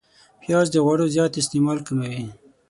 پیاز د غوړو زیات استعمال کموي